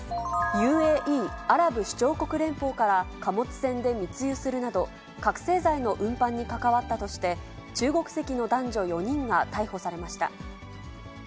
ＵＡＥ・アラブ首長国連邦から貨物船で密輸するなど、覚醒剤の運搬に関わったとして、中国籍の男女４人が逮捕されました。